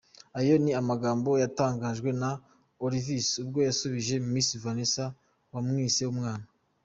Ayo ni amagambo yatangajwe na Olivis ubwo yasubije Miss Vanessa wamwise umwana.